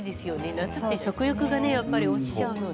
夏って食欲すごく落ちちゃうので。